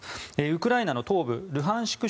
ウクライナの東部ルハンシク